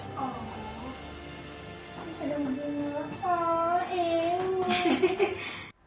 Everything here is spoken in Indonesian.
sebelumnya mereka berkumpul dengan anak anak mereka